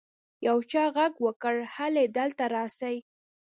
يو چا ږغ وکړ هلئ دلته راسئ.